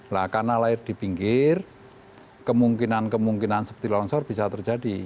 nah karena lahir di pinggir kemungkinan kemungkinan seperti longsor bisa terjadi